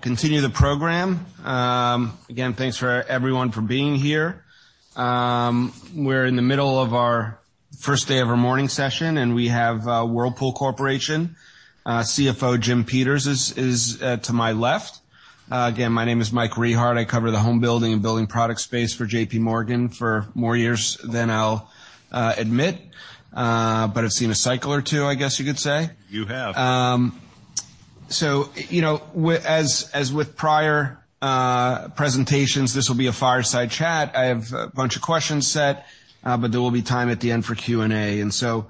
...We'll continue the program. Again, thanks for everyone for being here. We're in the middle of our first day of our morning session, and we have Whirlpool Corporation CFO, Jim Peters, to my left. Again, my name is Mike Rehaut. I cover the home building and building product space for J.P. Morgan for more years than I'll admit, but I've seen a cycle or two, I guess, you could say. You have. So, you know, as with prior presentations, this will be a fireside chat. I have a bunch of questions set, but there will be time at the end for Q&A. And so,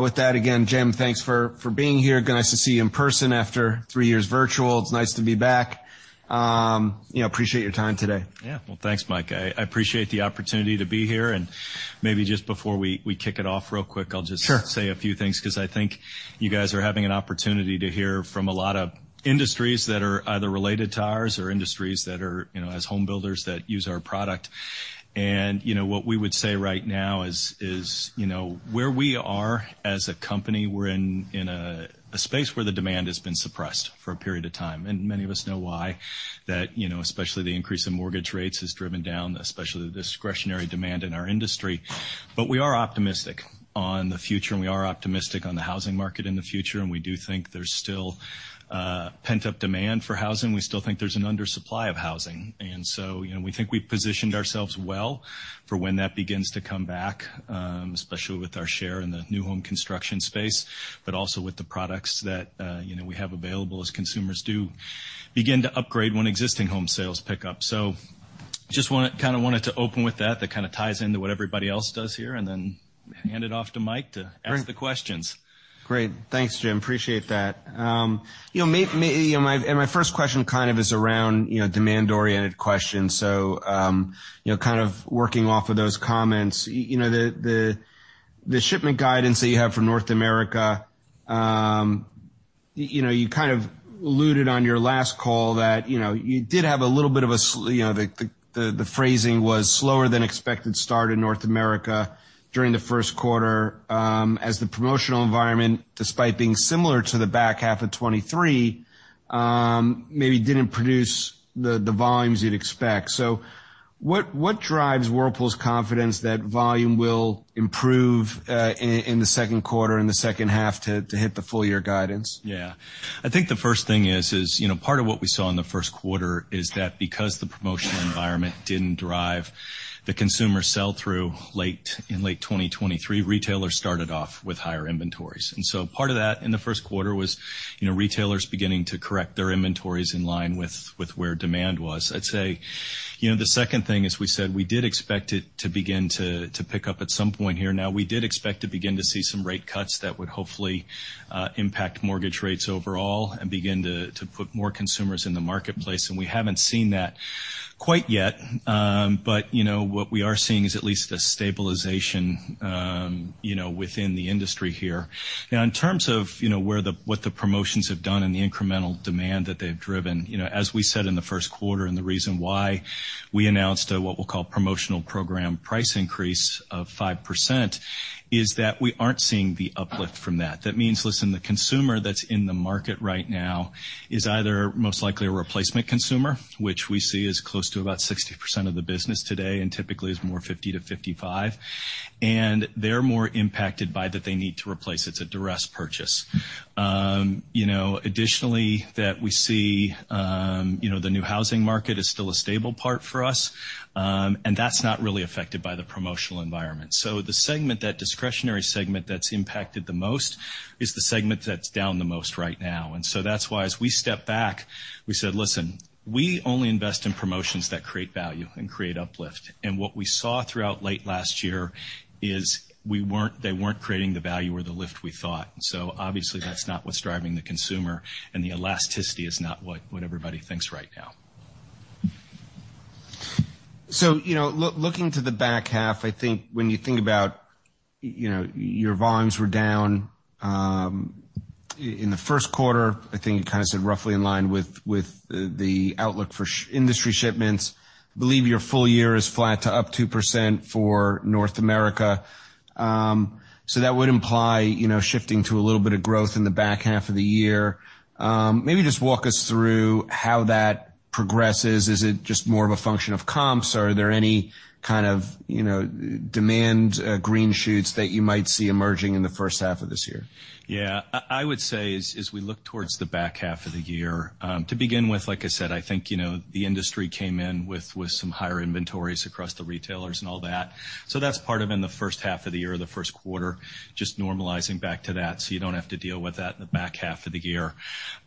with that, again, Jim, thanks for being here. Nice to see you in person after three years virtual. It's nice to be back. You know, appreciate your time today. Yeah. Well, thanks, Mike. I, I appreciate the opportunity to be here, and maybe just before we, we kick it off real quick, I'll just- Sure... say a few things because I think you guys are having an opportunity to hear from a lot of industries that are either related to ours or industries that are, you know, as home builders, that use our product. You know, what we would say right now is, you know, where we are as a company. We're in a space where the demand has been suppressed for a period of time, and many of us know why. That, you know, especially the increase in mortgage rates, has driven down, especially the discretionary demand in our industry. But we are optimistic on the future, and we are optimistic on the housing market in the future, and we do think there's still pent-up demand for housing. We still think there's an undersupply of housing. And so, you know, we think we've positioned ourselves well for when that begins to come back, especially with our share in the new home construction space, but also with the products that, you know, we have available as consumers do begin to upgrade when existing home sales pick up. So just wanna kinda wanted to open with that. That kinda ties into what everybody else does here, and then hand it off to Mike to ask the questions. Great. Thanks, Jim. Appreciate that. You know, my first question kind of is around, you know, demand-oriented questions. So, you know, kind of working off of those comments, you know, the shipment guidance that you have for North America, you know, you kind of alluded on your last call that, you know, you did have a little bit of a slower than expected start in North America during the first quarter, as the promotional environment, despite being similar to the back half of 2023, maybe didn't produce the volumes you'd expect. So what drives Whirlpool's confidence that volume will improve, in the second quarter, in the second half, to hit the full year guidance? Yeah. I think the first thing is, you know, part of what we saw in the first quarter is that because the promotional environment didn't drive the consumer sell-through late in late 2023, retailers started off with higher inventories. And so part of that in the first quarter was, you know, retailers beginning to correct their inventories in line with where demand was. I'd say, you know, the second thing is, we said we did expect it to begin to pick up at some point here. Now, we did expect to begin to see some rate cuts that would hopefully impact mortgage rates overall and begin to put more consumers in the marketplace, and we haven't seen that quite yet. But, you know, what we are seeing is at least a stabilization, you know, within the industry here. Now, in terms of, you know, where the what the promotions have done and the incremental demand that they've driven, you know, as we said in the first quarter, and the reason why we announced what we'll call promotional program price increase of 5%, is that we aren't seeing the uplift from that. That means, listen, the consumer that's in the market right now is either most likely a replacement consumer, which we see is close to about 60% of the business today, and typically is more 50%-55%, and they're more impacted by that they need to replace. It's a duress purchase. You know, additionally, that we see, you know, the new housing market is still a stable part for us, and that's not really affected by the promotional environment. So the segment, that discretionary segment that's impacted the most, is the segment that's down the most right now. And so that's why as we step back, we said: Listen, we only invest in promotions that create value and create uplift. And what we saw throughout late last year is we weren't, they weren't creating the value or the lift we thought. So obviously, that's not what's driving the consumer, and the elasticity is not what, what everybody thinks right now. So, you know, looking to the back half, I think when you think about, you know, your volumes were down in the first quarter, I think you kinda said roughly in line with the outlook for industry shipments. I believe your full year is flat to up 2% for North America. So that would imply, you know, shifting to a little bit of growth in the back half of the year. Maybe just walk us through how that progresses. Is it just more of a function of comps, or are there any kind of, you know, demand green shoots that you might see emerging in the first half of this year? Yeah. I would say, as we look towards the back half of the year, to begin with, like I said, I think, you know, the industry came in with some higher inventories across the retailers and all that. So that's part of in the first half of the year, or the first quarter, just normalizing back to that, so you don't have to deal with that in the back half of the year.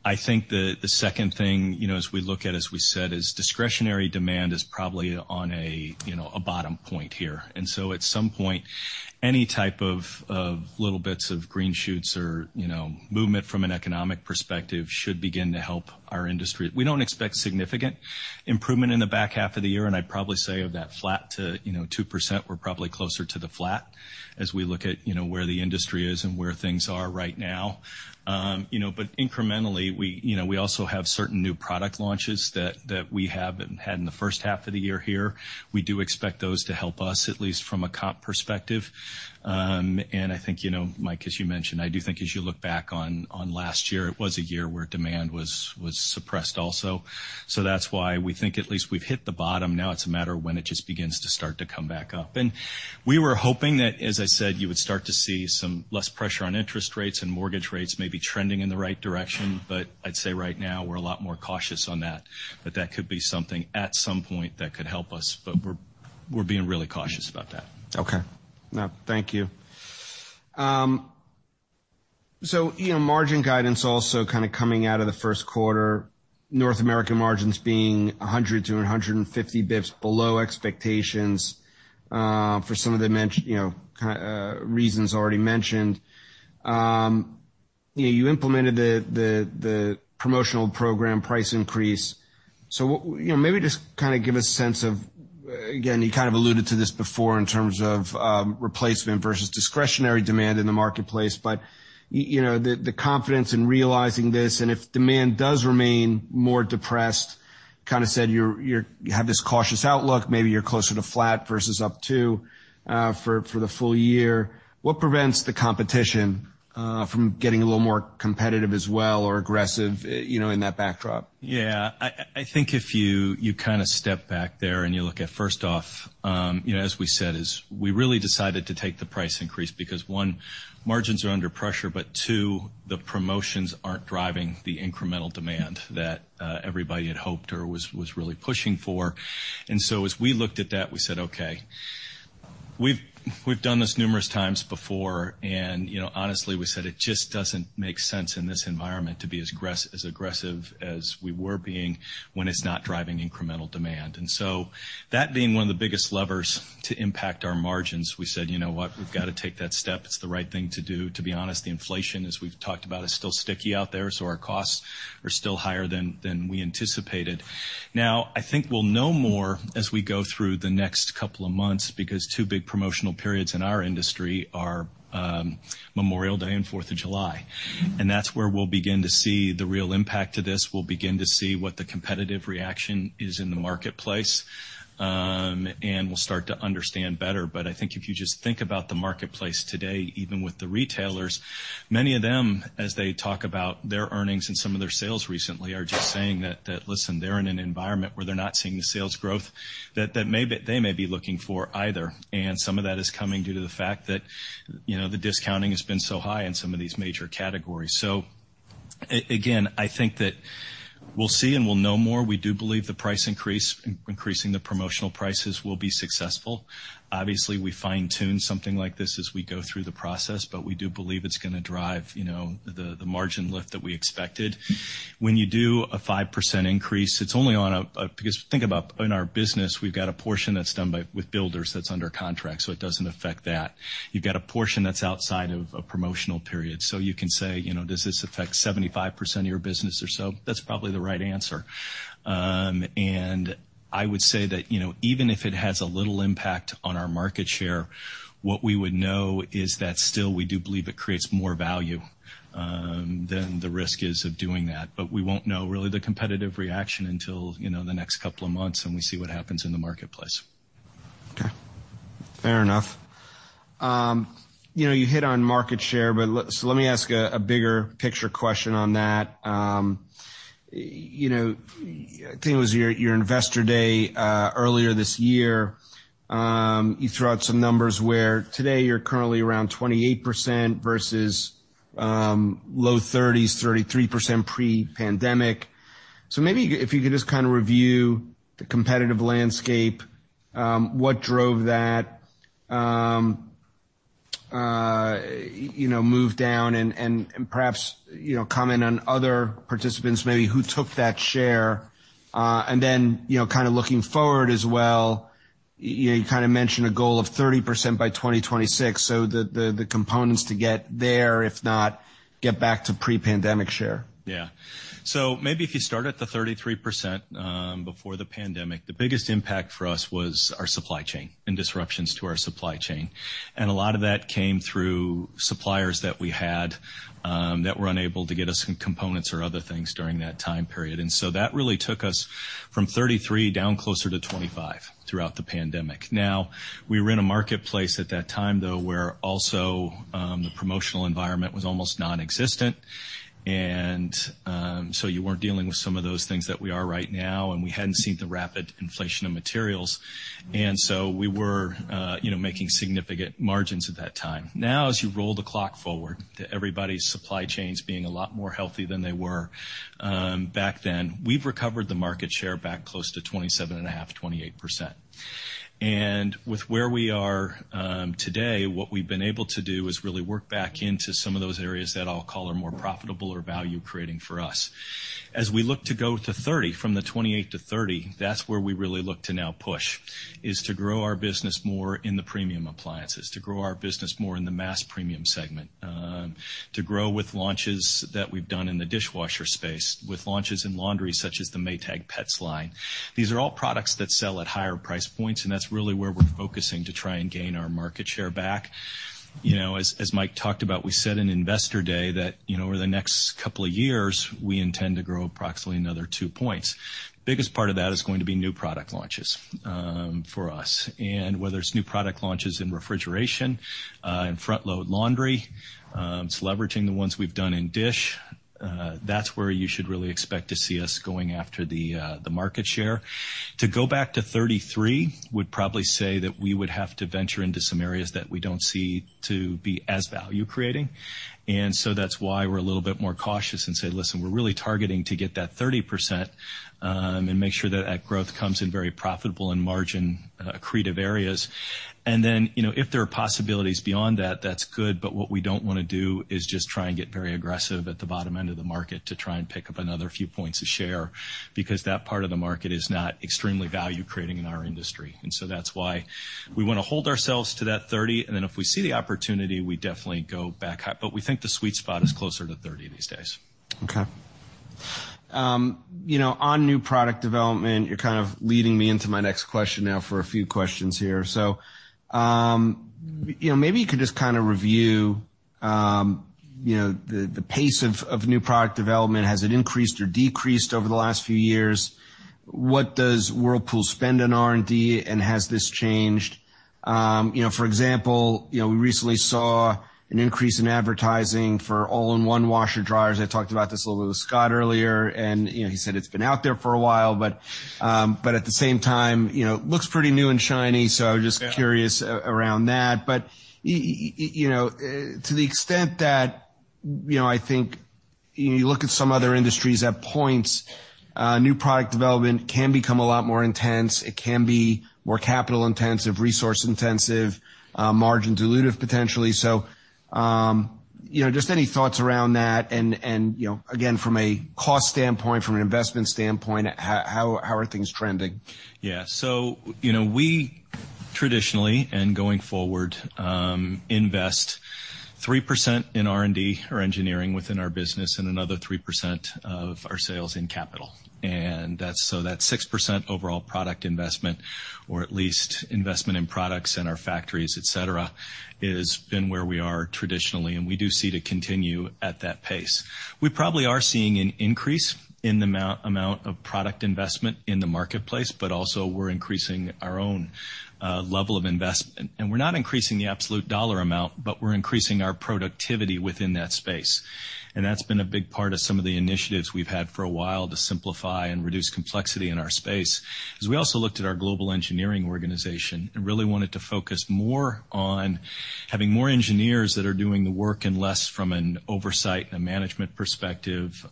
I think the second thing, you know, as we look at, as we said, is discretionary demand is probably on a, you know, a bottom point here. And so at some point, any type of little bits of green shoots or, you know, movement from an economic perspective should begin to help our industry. We don't expect significant improvement in the back half of the year, and I'd probably say of that flat to, you know, 2%, we're probably closer to the flat as we look at, you know, where the industry is and where things are right now. You know, but incrementally, we, you know, we also have certain new product launches that we have had in the first half of the year here. We do expect those to help us, at least from a comp perspective. And I think, you know, Mike, as you mentioned, I do think as you look back on last year, it was a year where demand was suppressed also. So that's why we think at least we've hit the bottom. Now, it's a matter of when it just begins to start to come back up. We were hoping that, as I said, you would start to see some less pressure on interest rates, and mortgage rates may be trending in the right direction, but I'd say right now, we're a lot more cautious on that, but that could be something at some point that could help us, but we're being really cautious about that. Okay. Now, thank you. So, you know, margin guidance also kind of coming out of the first quarter, North American margins being 100-150 basis points below expectations, for some of the mentioned, you know, reasons already mentioned. You know, you implemented the promotional program price increase. So what you know, maybe just kind of give a sense of, again, you kind of alluded to this before in terms of, replacement versus discretionary demand in the marketplace, but, you know, the confidence in realizing this, and if demand does remain more depressed, kind of said, you're-- you have this cautious outlook, maybe you're closer to flat versus up two, for the full year. What prevents the competition from getting a little more competitive as well, or aggressive, you know, in that backdrop? Yeah. I think if you kind of step back there and you look at, first off, you know, as we said, we really decided to take the price increase because, one, margins are under pressure, but two, the promotions aren't driving the incremental demand that everybody had hoped or was really pushing for. And so as we looked at that, we said, okay, we've done this numerous times before, and, you know, honestly, we said it just doesn't make sense in this environment to be as aggressive as we were being when it's not driving incremental demand. And so that being one of the biggest levers to impact our margins, we said: You know what? We've got to take that step. It's the right thing to do. To be honest, the inflation, as we've talked about, is still sticky out there, so our costs are still higher than we anticipated. Now, I think we'll know more as we go through the next couple of months because two big promotional periods in our industry are Memorial Day and Fourth of July. That's where we'll begin to see the real impact to this. We'll begin to see what the competitive reaction is in the marketplace, and we'll start to understand better. But I think if you just think about the marketplace today, even with the retailers, many of them, as they talk about their earnings and some of their sales recently, are just saying that, listen, they're in an environment where they're not seeing the sales growth that they may be looking for either. Some of that is coming due to the fact that, you know, the discounting has been so high in some of these major categories. Again, I think that we'll see, and we'll know more. We do believe the price increase, increasing the promotional prices, will be successful. Obviously, we fine tune something like this as we go through the process, but we do believe it's gonna drive, you know, the margin lift that we expected. When you do a 5% increase, it's only on a... Because think about in our business, we've got a portion that's done with builders that's under contract, so it doesn't affect that. You've got a portion that's outside of a promotional period. So you can say, you know, does this affect 75% of your business or so? That's probably the right answer. I would say that, you know, even if it has a little impact on our market share, what we would know is that still we do believe it creates more value than the risk is of doing that. But we won't know really the competitive reaction until, you know, the next couple of months, and we see what happens in the marketplace. Okay, fair enough. You know, you hit on market share, but let me ask a bigger picture question on that. You know, I think it was your Investor Day earlier this year, you threw out some numbers where today you're currently around 28% versus low 30s, 33% pre-pandemic. So maybe if you could just kind of review the competitive landscape, what drove that move down and perhaps comment on other participants maybe who took that share, and then looking forward as well, you kind of mentioned a goal of 30% by 2026, so the components to get there, if not get back to pre-pandemic share. Yeah. So maybe if you start at the 33%, before the pandemic, the biggest impact for us was our supply chain and disruptions to our supply chain. And a lot of that came through suppliers that we had, that were unable to get us some components or other things during that time period. And so that really took us from 33% down closer to 25% throughout the pandemic. Now, we were in a marketplace at that time, though, where also, the promotional environment was almost nonexistent. And, so you weren't dealing with some of those things that we are right now, and we hadn't seen the rapid inflation of materials. And so we were, you know, making significant margins at that time. Now, as you roll the clock forward, to everybody's supply chains being a lot more healthy than they were, back then, we've recovered the market share back close to 27.5-28%. With where we are, today, what we've been able to do is really work back into some of those areas that I'll call are more profitable or value-creating for us. As we look to go to 30, from the 28-30, that's where we really look to now push, is to grow our business more in the premium appliances, to grow our business more in the mass premium segment, to grow with launches that we've done in the dishwasher space, with launches in laundry, such as the Maytag Pets line. These are all products that sell at higher price points, and that's really where we're focusing to try and gain our market share back. You know, as Mike talked about, we said in Investor Day that, you know, over the next couple of years, we intend to grow approximately another two points. Biggest part of that is going to be new product launches, for us. And whether it's new product launches in refrigeration, in front-load laundry, it's leveraging the ones we've done in dish, that's where you should really expect to see us going after the market share. To go back to 33, would probably say that we would have to venture into some areas that we don't see to be as value-creating. And so that's why we're a little bit more cautious and say: Listen, we're really targeting to get that 30%, and make sure that that growth comes in very profitable and margin accretive areas. And then, you know, if there are possibilities beyond that, that's good, but what we don't wanna do is just try and get very aggressive at the bottom end of the market to try and pick up another few points of share, because that part of the market is not extremely value-creating in our industry. And so that's why we wanna hold ourselves to that 30, and then if we see the opportunity, we definitely go back up. But we think the sweet spot is closer to 30 these days. Okay. You know, on new product development, you're kind of leading me into my next question now for a few questions here. So, you know, maybe you could just kind of review, you know, the pace of new product development. Has it increased or decreased over the last few years? What does Whirlpool spend on R&D, and has this changed? You know, for example, you know, we recently saw an increase in advertising for all-in-one washer dryers. I talked about this a little with Scott earlier, and, you know, he said it's been out there for a while, but at the same time, you know, it looks pretty new and shiny, so I was just- Yeah... curious around that. But you know, to the extent that, you know, I think you look at some other industries at points, new product development can become a lot more intense. It can be more capital intensive, resource intensive, margin dilutive, potentially. So, you know, just any thoughts around that, and, you know, again, from a cost standpoint, from an investment standpoint, how are things trending? Yeah. So, you know, we traditionally, and going forward, invest 3% in R&D or engineering within our business and another 3% of our sales in capital. And that's 6% overall product investment, or at least investment in products in our factories, et cetera, has been where we are traditionally, and we do see to continue at that pace. We probably are seeing an increase in the amount of product investment in the marketplace, but also we're increasing our own level of investment. And we're not increasing the absolute dollar amount, but we're increasing our productivity within that space. And that's been a big part of some of the initiatives we've had for a while, to simplify and reduce complexity in our space. As we also looked at our global engineering organization and really wanted to focus more on having more engineers that are doing the work and less from an oversight and a management perspective,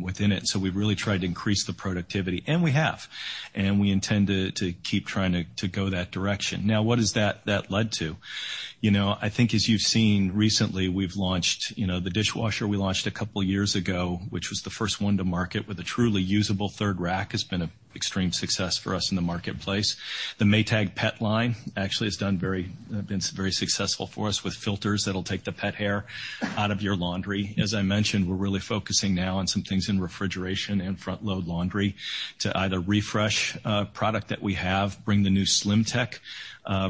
within it. So we've really tried to increase the productivity, and we have, and we intend to keep trying to go that direction. Now, what has that led to? You know, I think as you've seen recently, we've launched, you know, the dishwasher we launched a couple of years ago, which was the first one to market with a truly usable third rack, has been an extreme success for us in the marketplace. The Maytag Pet line actually has done very, been very successful for us with filters that'll take the pet hair out of your laundry. As I mentioned, we're really focusing now on some things in refrigeration and front-load laundry to either refresh a product that we have, bring the new SlimTech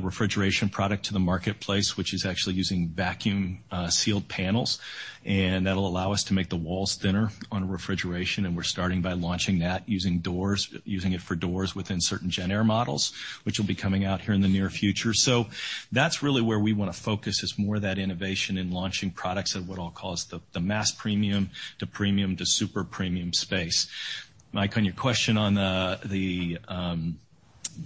refrigeration product to the marketplace, which is actually using vacuum sealed panels, and that'll allow us to make the walls thinner on refrigeration, and we're starting by launching that, using it for doors within certain JennAir models, which will be coming out here in the near future. So that's really where we wanna focus, is more that innovation in launching products at what I'll call the mass premium, to premium, to super premium space. Mike, on your question on the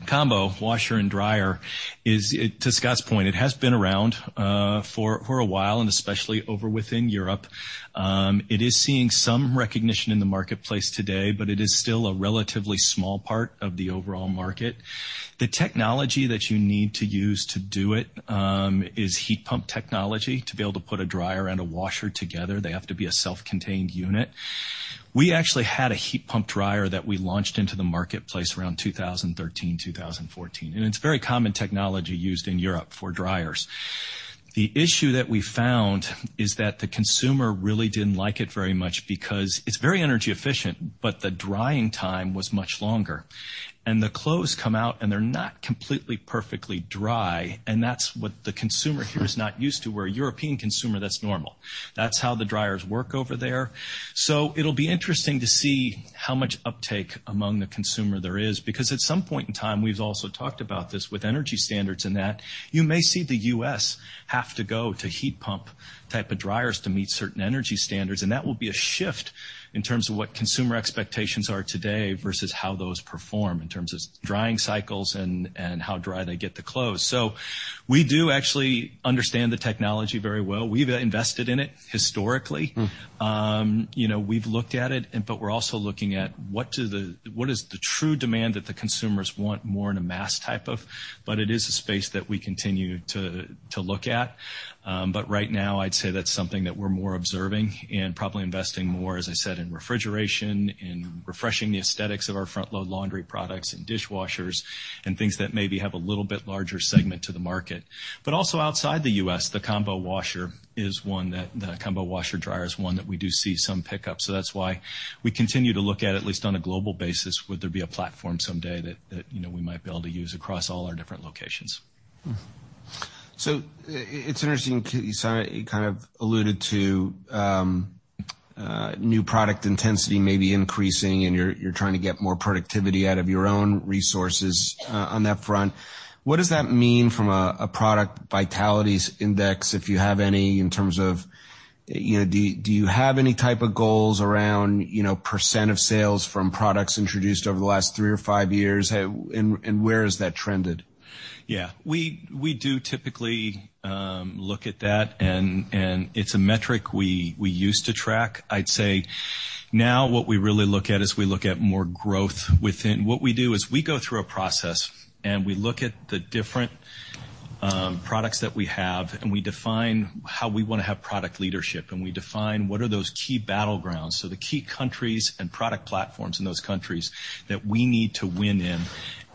combo washer and dryer, is to Scott's point, it has been around for a while, and especially over within Europe. It is seeing some recognition in the marketplace today, but it is still a relatively small part of the overall market. The technology that you need to use to do it is heat pump technology. To be able to put a dryer and a washer together, they have to be a self-contained unit. We actually had a heat pump dryer that we launched into the marketplace around 2013, 2014, and it's very common technology used in Europe for dryers. The issue that we found is that the consumer really didn't like it very much because it's very energy efficient, but the drying time was much longer, and the clothes come out, and they're not completely, perfectly dry, and that's what the consumer here is not used to. Where a European consumer, that's normal. That's how the dryers work over there. So it'll be interesting to see how much uptake among the consumer there is, because at some point in time, we've also talked about this with energy standards and that, you may see the U.S. have to go to heat pump type of dryers to meet certain energy standards, and that will be a shift in terms of what consumer expectations are today versus how those perform in terms of drying cycles and how dry they get the clothes. So we do actually understand the technology very well. We've invested in it historically. Mm-hmm. You know, we've looked at it, and, but we're also looking at what do the what is the true demand that the consumers want more in a mass type of... But it is a space that we continue to look at. But right now, I'd say that's something that we're more observing and probably investing more, as I said, in refrigeration, in refreshing the aesthetics of our front-load laundry products and dishwashers, and things that maybe have a little bit larger segment to the market. But also outside the U.S., the combo washer is one that the combo washer dryer is one that we do see some pickup, so that's why we continue to look at, at least on a global basis, would there be a platform someday that you know, we might be able to use across all our different locations? Mm-hmm. So it's interesting, you kinda alluded to new product intensity maybe increasing, and you're trying to get more productivity out of your own resources on that front. What does that mean from a Product Vitality Index, if you have any, in terms of, you know, do you have any type of goals around, you know, percent of sales from products introduced over the last three or five years? And where has that trended? Yeah. We do typically look at that, and it's a metric we used to track. I'd say now what we really look at is we look at more growth within. What we do is we go through a process, and we look at the different products that we have, and we define how we want to have product leadership, and we define what are those key battlegrounds, so the key countries and product platforms in those countries that we need to win in.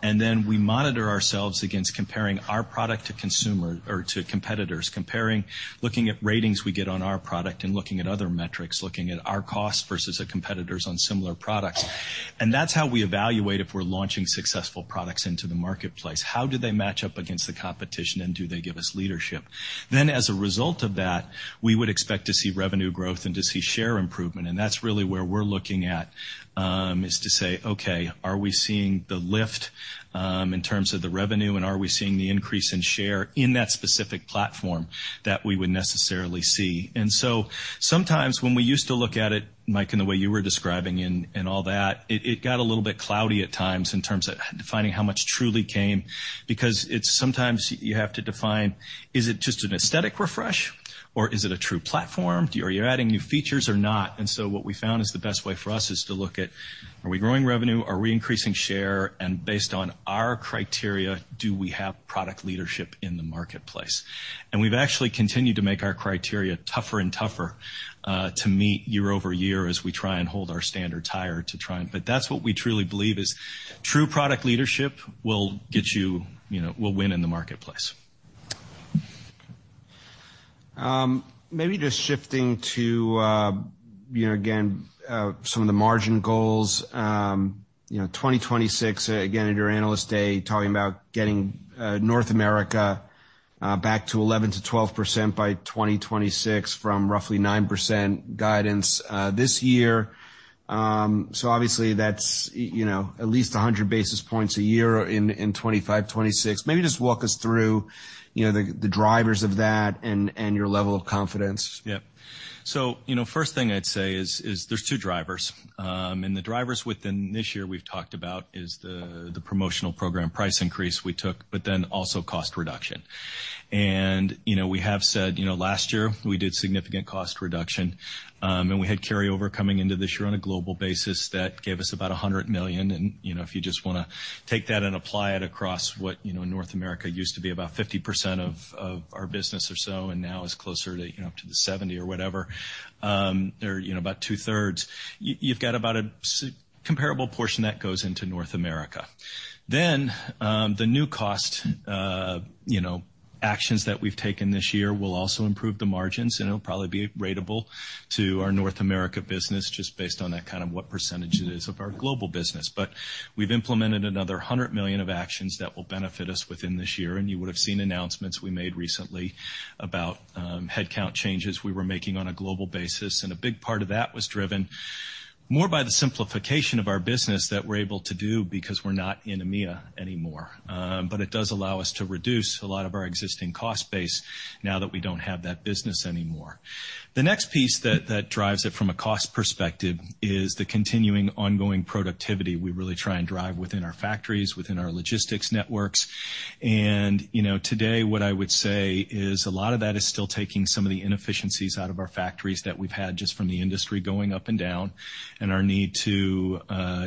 And then we monitor ourselves against comparing our product to consumer or to competitors, comparing, looking at ratings we get on our product and looking at other metrics, looking at our costs versus a competitor's on similar products. And that's how we evaluate if we're launching successful products into the marketplace. How do they match up against the competition, and do they give us leadership? Then, as a result of that, we would expect to see revenue growth and to see share improvement, and that's really where we're looking at, is to say, "Okay, are we seeing the lift in terms of the revenue, and are we seeing the increase in share in that specific platform that we would necessarily see?" And so sometimes when we used to look at it, Mike, in the way you were describing and, and all that, it, it got a little bit cloudy at times in terms of defining how much truly came, because it's sometimes you have to define, is it just an aesthetic refresh, or is it a true platform? Are you adding new features or not? So what we found is the best way for us is to look at, are we growing revenue? Are we increasing share? And based on our criteria, do we have product leadership in the marketplace? And we've actually continued to make our criteria tougher and tougher to meet year over year as we try and hold our standard higher to try and... But that's what we truly believe is true product leadership will get you, you know, will win in the marketplace. Maybe just shifting to, you know, again, some of the margin goals. You know, 2026, again, at your Analyst Day, talking about getting, North America, back to 11%-12% by 2026 from roughly 9% guidance, this year. So obviously, that's, you know, at least 100 basis points a year in 2025, 2026. Maybe just walk us through, you know, the drivers of that and your level of confidence. Yep. So, you know, first thing I'd say is there's two drivers, and the drivers within this year we've talked about is the promotional program price increase we took, but then also cost reduction. And, you know, we have said, you know, last year, we did significant cost reduction, and we had carryover coming into this year on a global basis that gave us about $100 million. And, you know, if you just wanna take that and apply it across what, you know, North America used to be about 50% of our business or so, and now is closer to, you know, up to the 70% or whatever, or, you know, about two-thirds, you've got about a comparable portion that goes into North America. Then, the new cost, you know, actions that we've taken this year will also improve the margins, and it'll probably be ratable to our North America business just based on that kind of what percentage it is of our global business. But we've implemented another $100 million of actions that will benefit us within this year, and you would have seen announcements we made recently about headcount changes we were making on a global basis, and a big part of that was driven more by the simplification of our business that we're able to do because we're not in EMEA anymore. But it does allow us to reduce a lot of our existing cost base now that we don't have that business anymore. The next piece that drives it from a cost perspective is the continuing ongoing productivity we really try and drive within our factories, within our logistics networks. And, you know, today, what I would say is a lot of that is still taking some of the inefficiencies out of our factories that we've had just from the industry going up and down, and our need to,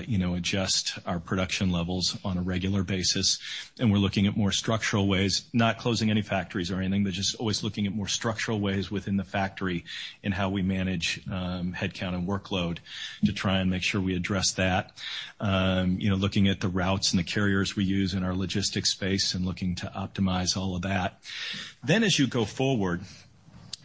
you know, adjust our production levels on a regular basis. And we're looking at more structural ways, not closing any factories or anything, but just always looking at more structural ways within the factory in how we manage headcount and workload, to try and make sure we address that. You know, looking at the routes and the carriers we use in our logistics space and looking to optimize all of that. Then, as you go forward,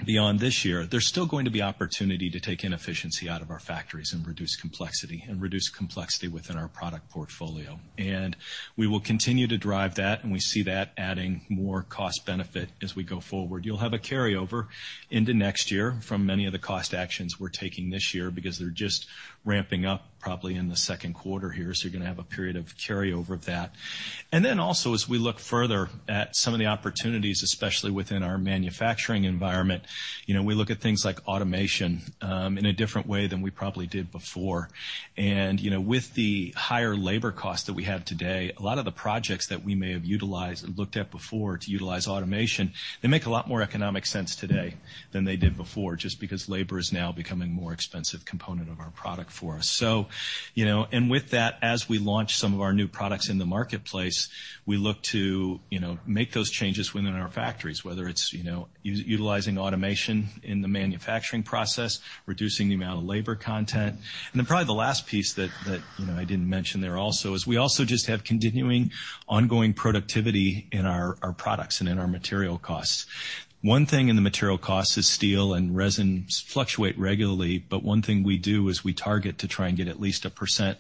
beyond this year, there's still going to be opportunity to take inefficiency out of our factories and reduce complexity, and reduce complexity within our product portfolio. And we will continue to drive that, and we see that adding more cost benefit as we go forward. You'll have a carryover into next year from many of the cost actions we're taking this year because they're just ramping up, probably in the second quarter here, so you're gonna have a period of carryover of that. And then also, as we look further at some of the opportunities, especially within our manufacturing environment, you know, we look at things like automation in a different way than we probably did before. You know, with the higher labor costs that we have today, a lot of the projects that we may have utilized and looked at before to utilize automation, they make a lot more economic sense today than they did before, just because labor is now becoming a more expensive component of our product for us. You know, and with that, as we launch some of our new products in the marketplace, we look to, you know, make those changes within our factories, whether it's, you know, us utilizing automation in the manufacturing process, reducing the amount of labor content. Then probably the last piece that, you know, I didn't mention there also, is we also just have continuing, ongoing productivity in our products and in our material costs. One thing in the material costs is steel and resin fluctuate regularly, but one thing we do is we target to try and get at least 1%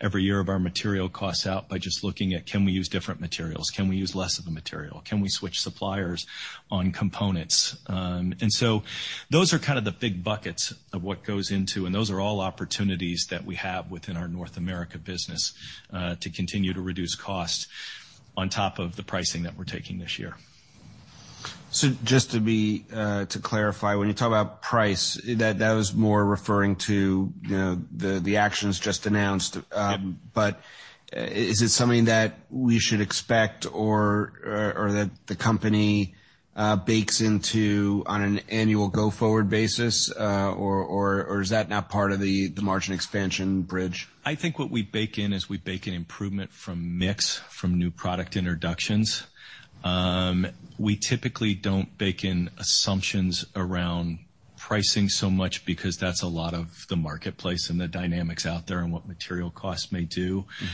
every year of our material costs out by just looking at, can we use different materials? Can we use less of the material? Can we switch suppliers on components? And so those are kind of the big buckets of what goes into, and those are all opportunities that we have within our North America business, to continue to reduce cost on top of the pricing that we're taking this year. Just to be, to clarify, when you talk about price, that, that was more referring to, you know, the, the actions just announced. Yep. But is it something that we should expect or that the company bakes into on an annual go-forward basis, or is that not part of the margin expansion bridge? I think what we bake in is we bake in improvement from mix, from new product introductions. We typically don't bake in assumptions around pricing so much because that's a lot of the marketplace and the dynamics out there, and what material costs may do. Mm-hmm.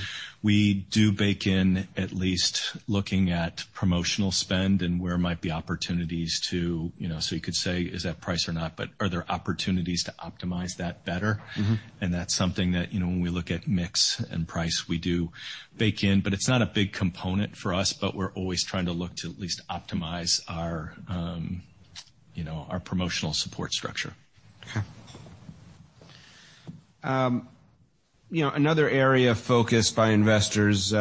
We do bake in at least looking at promotional spend and where might be opportunities to, you know, so you could say, is that price or not? But are there opportunities to optimize that better? Mm-hmm. That's something that, you know, when we look at mix and price, we do bake in, but it's not a big component for us, but we're always trying to look to at least optimize our, you know, our promotional support structure. Okay. You know, another area of focus by investors, you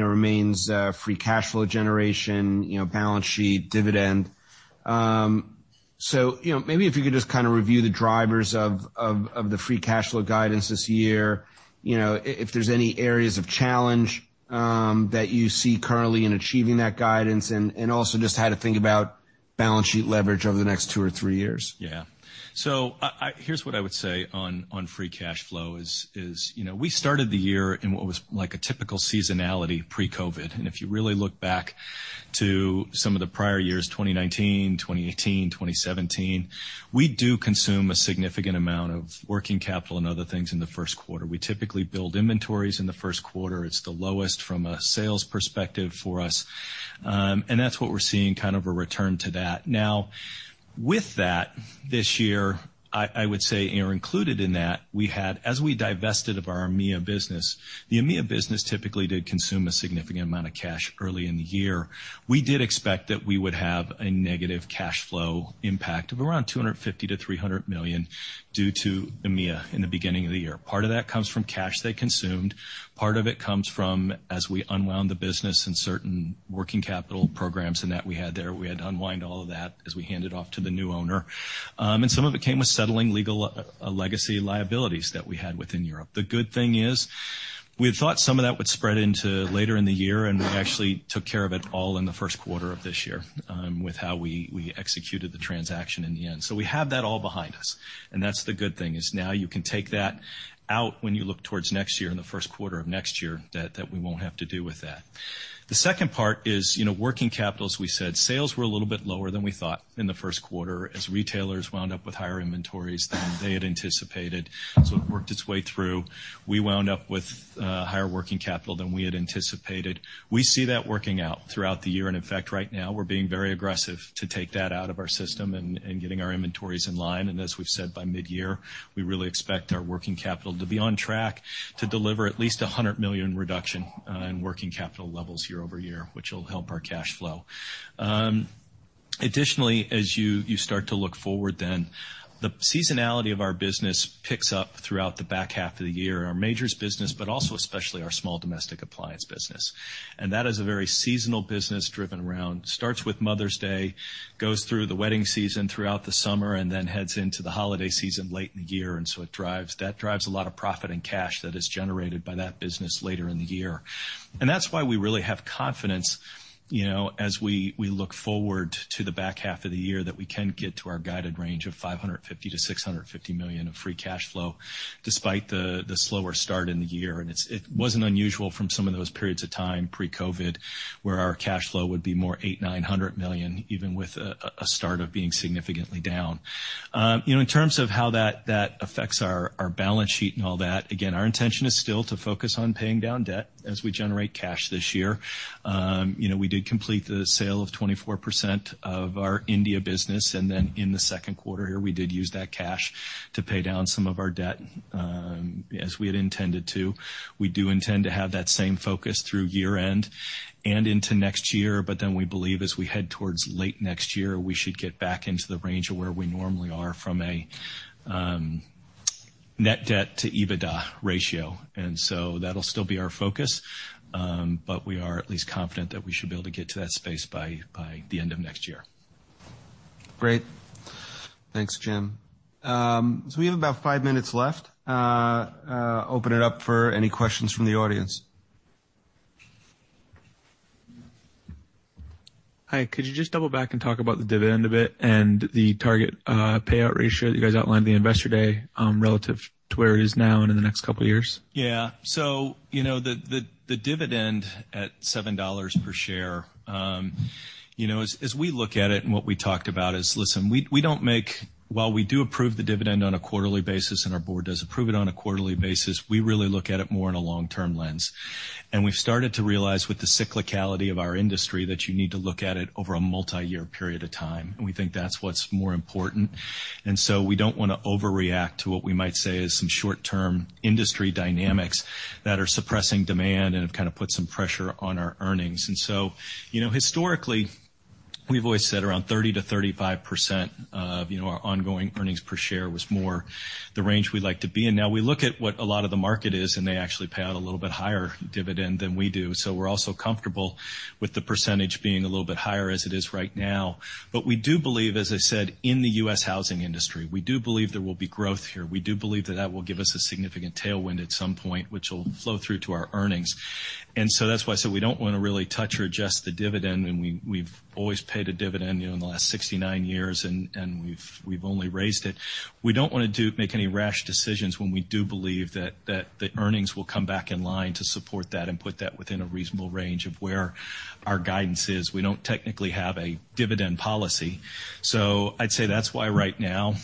know, remains, free cash flow generation, you know, balance sheet, dividend. So, you know, maybe if you could just kind of review the drivers of the free cash flow guidance this year, you know, if there's any areas of challenge, that you see currently in achieving that guidance, and also just how to think about balance sheet leverage over the next two or three years. Yeah. So here's what I would say on free cash flow is, you know, we started the year in what was like a typical seasonality pre-COVID, and if you really look back to some of the prior years, 2019, 2018, 2017, we do consume a significant amount of working capital and other things in the first quarter. We typically build inventories in the first quarter. It's the lowest from a sales perspective for us, and that's what we're seeing, kind of a return to that. Now, with that, this year, I would say, or included in that, we had, as we divested of our EMEA business, the EMEA business typically did consume a significant amount of cash early in the year. We did expect that we would have a negative cash flow impact of around $250-$300 million due to EMEA in the beginning of the year. Part of that comes from cash they consumed, part of it comes from as we unwound the business and certain working capital programs and that we had there, we had to unwind all of that as we handed off to the new owner. And some of it came with settling legal legacy liabilities that we had within Europe. The good thing is, we had thought some of that would spread into later in the year, and we actually took care of it all in the first quarter of this year with how we executed the transaction in the end. So we have that all behind us, and that's the good thing, is now you can take that out when you look towards next year, in the first quarter of next year, that, that we won't have to deal with that. The second part is, you know, working capital, as we said, sales were a little bit lower than we thought in the first quarter, as retailers wound up with higher inventories than they had anticipated. So it worked its way through. We wound up with higher working capital than we had anticipated. We see that working out throughout the year. And in fact, right now, we're being very aggressive to take that out of our system and getting our inventories in line. As we've said, by midyear, we really expect our working capital to be on track to deliver at least $100 million reduction in working capital levels year over year, which will help our cash flow. Additionally, as you start to look forward, then, the seasonality of our business picks up throughout the back half of the year, our majors business, but also especially our small domestic appliance business. That is a very seasonal business, driven around starts with Mother's Day, goes through the wedding season throughout the summer, and then heads into the holiday season late in the year, and so it drives, that drives a lot of profit and cash that is generated by that business later in the year. And that's why we really have confidence, you know, as we look forward to the back half of the year, that we can get to our guided range of $550 million-$650 million of free cash flow, despite the slower start in the year. And it's, it wasn't unusual from some of those periods of time pre-COVID, where our cash flow would be more $800 million-$900 million, even with a start of being significantly down. You know, in terms of how that affects our balance sheet and all that, again, our intention is still to focus on paying down debt as we generate cash this year. You know, we did complete the sale of 24% of our India business, and then in the second quarter here, we did use that cash to pay down some of our debt, as we had intended to. We do intend to have that same focus through year end and into next year, but then we believe as we head towards late next year, we should get back into the range of where we normally are from a net debt to EBITDA ratio. And so that'll still be our focus, but we are at least confident that we should be able to get to that space by the end of next year. Great. Thanks, Jim. So we have about five minutes left. Open it up for any questions from the audience. Hi, could you just double back and talk about the dividend a bit and the target payout ratio that you guys outlined in the Investor Day, relative to where it is now and in the next couple of years? Yeah. So, you know, the dividend at $7 per share, you know, as we look at it, and what we talked about is, listen, while we do approve the dividend on a quarterly basis, and our board does approve it on a quarterly basis, we really look at it more in a long term lens. And we've started to realize with the cyclicality of our industry, that you need to look at it over a multiyear period of time, and we think that's what's more important. And so we don't wanna overreact to what we might say is some short term industry dynamics that are suppressing demand and have kind of put some pressure on our earnings. So, you know, historically, we've always said around 30%-35% of, you know, our ongoing earnings per share was more the range we like to be in. Now, we look at what a lot of the market is, and they actually pay out a little bit higher dividend than we do. So we're also comfortable with the percentage being a little bit higher as it is right now. But we do believe, as I said, in the U.S. housing industry, we do believe there will be growth here. We do believe that that will give us a significant tailwind at some point, which will flow through to our earnings. And so that's why I said we don't wanna really touch or adjust the dividend, and we, we've always paid a dividend, you know, in the last 69 years, and, and we've, we've only raised it.... We don't wanna make any rash decisions when we do believe that the earnings will come back in line to support that and put that within a reasonable range of where our guidance is. We don't technically have a dividend policy, so I'd say that's why right now,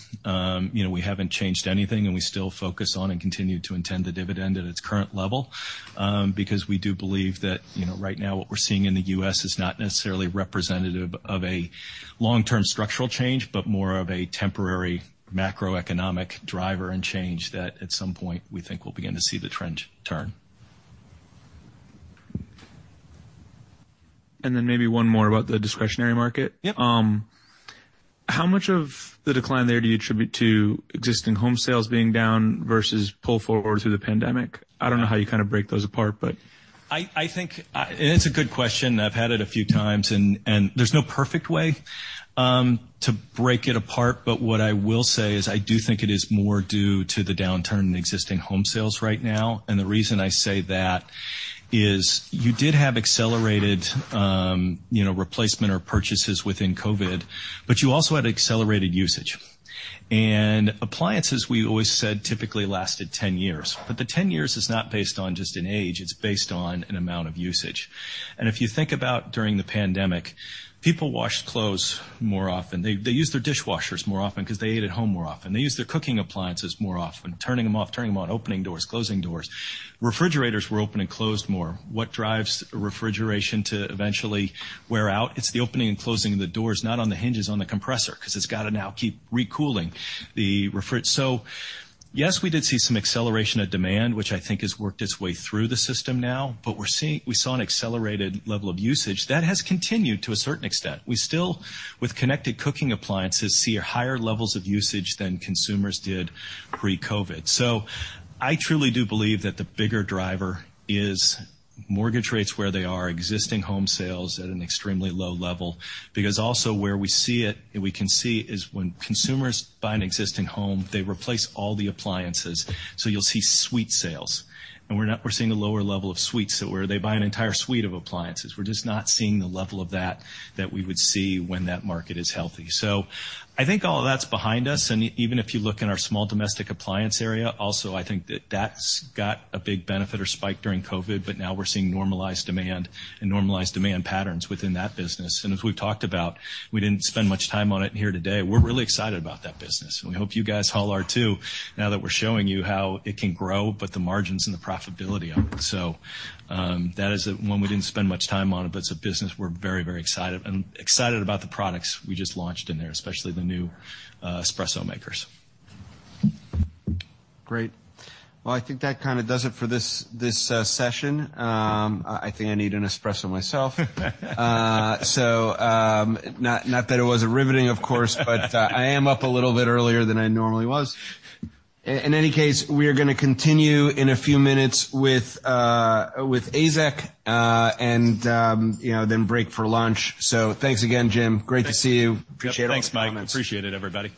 you know, we haven't changed anything, and we still focus on and continue to intend the dividend at its current level, because we do believe that, you know, right now, what we're seeing in the U.S. is not necessarily representative of a long-term structural change, but more of a temporary macroeconomic driver and change that at some point, we think we'll begin to see the trend turn. And then maybe one more about the discretionary market. Yep. How much of the decline there do you attribute to existing home sales being down versus pull forward through the pandemic? I don't know how you kinda break those apart, but- I think. It's a good question. I've had it a few times, and there's no perfect way to break it apart. But what I will say is I do think it is more due to the downturn in existing home sales right now, and the reason I say that is you did have accelerated, you know, replacement or purchases within COVID, but you also had accelerated usage. Appliances, we always said, typically lasted 10 years, but the 10 years is not based on just an age, it's based on an amount of usage. If you think about during the pandemic, people washed clothes more often. They used their dishwashers more often 'cause they ate at home more often. They used their cooking appliances more often, turning them off, turning them on, opening doors, closing doors. Refrigerators were opened and closed more. What drives refrigeration to eventually wear out? It's the opening and closing of the doors, not on the hinges, on the compressor, 'cause it's gotta now keep recooling the refrigerator. So yes, we did see some acceleration of demand, which I think has worked its way through the system now, but we're seeing, we saw an accelerated level of usage. That has continued to a certain extent. We still, with connected cooking appliances, see higher levels of usage than consumers did pre-COVID. So I truly do believe that the bigger driver is mortgage rates where they are, existing home sales at an extremely low level. Because also where we see it, and we can see, is when consumers buy an existing home, they replace all the appliances, so you'll see suite sales. And we're not seeing a lower level of suites, so where they buy an entire suite of appliances. We're just not seeing the level of that that we would see when that market is healthy. So I think all of that's behind us, and even if you look in our small domestic appliance area, also, I think that's got a big benefit or spike during COVID, but now we're seeing normalized demand and normalized demand patterns within that business. And as we've talked about, we didn't spend much time on it here today, we're really excited about that business, and we hope you guys all are, too, now that we're showing you how it can grow, but the margins and the profitability of it. That is one we didn't spend much time on, but it's a business we're very, very excited, and excited about the products we just launched in there, especially the new espresso makers. Great. Well, I think that kinda does it for this session. I think I need an espresso myself. So, not that it was a riveting, of course, but I am up a little bit earlier than I normally was. In any case, we are gonna continue in a few minutes with AZEK, and you know, then break for lunch. So thanks again, Jim. Great to see you. Appreciate it. Thanks, Mike. Appreciate it, everybody.